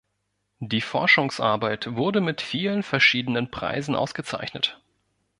Die Forschungsarbeit wurde mit vielen verschiedenen Preisen ausgezeichnet.